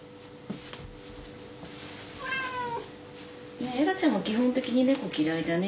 ねっエラちゃんも基本的に猫嫌いだね